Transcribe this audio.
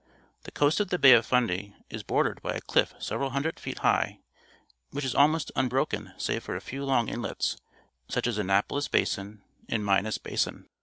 The coast of the Bay of Fundy is bordered by a cliff several hun dred feet high, which is almost unbroken save for a few long inlets, such as Annapolis Basin and Minas Basin.